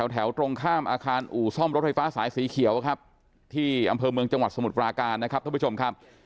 ตรงข้ามอาคารอู่ซ่อมรถไฟฟ้าสายสีเขียวครับที่อำเภอเมืองจังหวัดสมุทรปราการนะครับท่านผู้ชมครับ